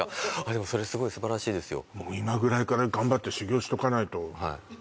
でもそれすごい素晴らしいですよ